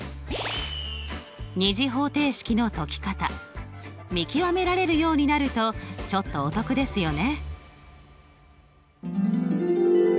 ２次方程式の解き方見極められるようになるとちょっとお得ですよね。